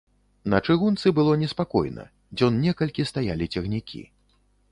На чыгунцы было неспакойна, дзён некалькі стаялі цягнікі.